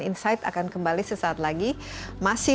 insight akan kembali sesaat lagi